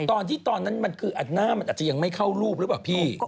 ตอนนั้นมันคือหน้ามันอาจจะยังไม่เข้ารูปหรือเปล่าพี่